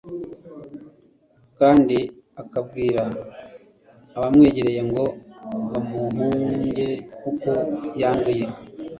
kandi akabwira abamwegereye ngo bamuhunge kuko yanduye.